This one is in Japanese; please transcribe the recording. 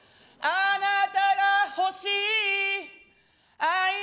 あなたが欲しい